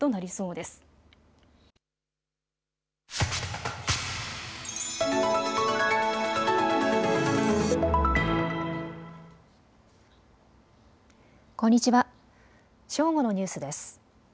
正午のニュースです。